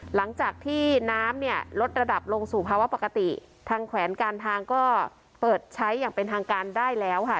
หลังจากที่น้ำเนี่ยลดระดับลงสู่ภาวะปกติทางแขวนการทางก็เปิดใช้อย่างเป็นทางการได้แล้วค่ะ